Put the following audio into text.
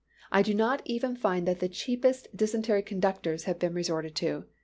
I do not even find that the cheapest dysentery conductors have been resorted to.